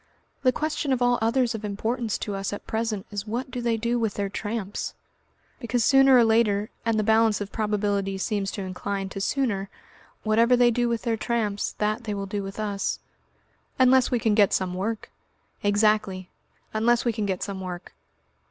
The question of all others of importance to us at present is what do they do with their tramps? Because sooner or later, and the balance of probability seems to incline to sooner, whatever they do with their tramps that they will do with us." "Unless we can get some work." "Exactly unless we can get some work."